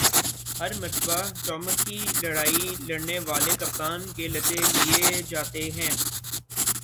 ہر مرتبہ چومکھی لڑائی لڑنے والے کپتان کے لتے لیے جاتے ہیں ۔